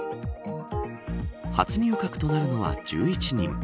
初入閣となるのは１１人。